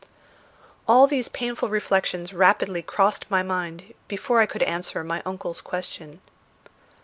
All these painful reflections rapidly crossed my mind before I could answer my uncle's question.